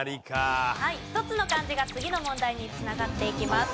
１つの漢字が次の問題に繋がっていきます。